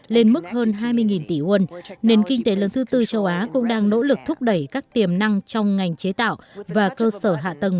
lên mức hơn hai mươi tỷ won nền kinh tế lớn thứ tư châu á cũng đang nỗ lực thúc đẩy các tiềm năng trong ngành chế tạo và cơ sở hạ tầng